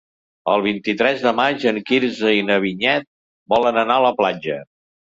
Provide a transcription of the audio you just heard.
El vint-i-tres de maig en Quirze i na Vinyet volen anar a la platja.